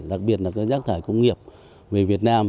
đặc biệt là các rác thải công nghiệp về việt nam